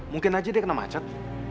mungkin aja dia kena macet